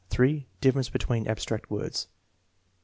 Difference between abstract words.